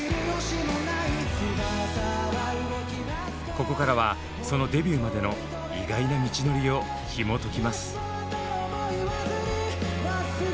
ここからはそのデビューまでの意外な道のりをひもときます。